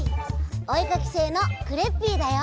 おえかきせいのクレッピーだよ！